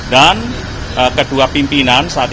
dan kedua pimpinan saat ini